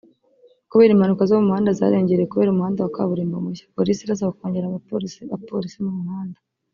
Kubera impanuka zo mu muhanda zariyongereye kubera umuhanda wa kaburimbo mushya ; polisi irasabwa kongera apolisi mu muhanda